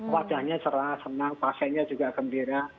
wajahnya cerah senang pasiennya juga gembira